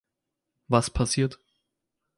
Was passiert?